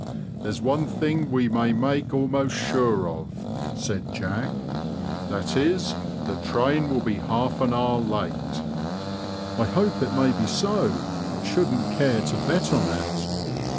There's one thing we may make almost sure of," said Jack ;" that is, the train will be half an hour late.*' I hope it may be so, but shouldn't care to bet on it."